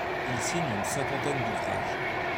Il signe une cinquantaine d'ouvrages.